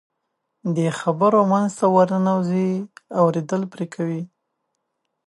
د خبرو منځ ته ورننوځي، اورېدل پرې کوي.